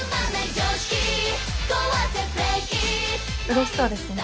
うれしそうですね。